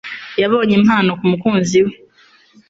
Yabonye impano kumukunzi we